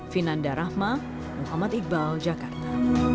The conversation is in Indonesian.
vinanda rahma muhammad iqbal jakarta